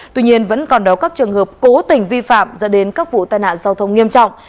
tuy nhiên vẫn còn đó các trường hợp cố tình vi phạm dẫn đến các vụ tai nạn giao thông nghiêm trọng